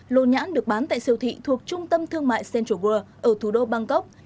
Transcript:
lô nhãn được bán tại siêu thị thuộc trung tâm thương mại central world ở thủ đô bangkok